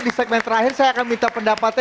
di segmen terakhir saya akan minta pendapatnya